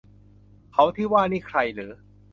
เขาที่ว่านี่ใครหรือ